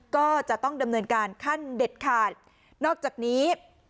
ก็จะต้องดำเนินการขั้นเด็ดขาดนอกจากนี้